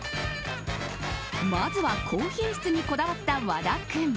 まずは高品質にこだわった和田君。